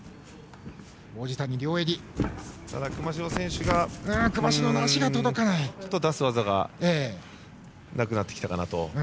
ただ、熊代選手はちょっと出す技がなくなってきたかなと。